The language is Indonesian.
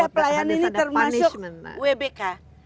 pelayanan ini termasuk wbk